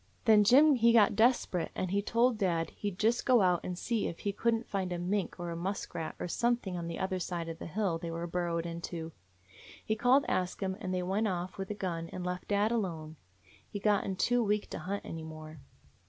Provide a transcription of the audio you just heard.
"Then Jim he got desperate, and he told dad he 'd just go out and see if he could n't find a mink or a muskrat or something on the 208 AN INDIAN DOG other side of the hill they were burrowed into. He called Ask Him, and they went off with the gun and left dad alone ; he 'd gotten too weak to hunt any more.